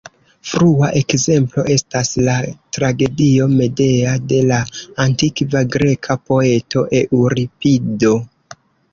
Frua ekzemplo estas la tragedio "Medea" de la antikva greka poeto Eŭripido.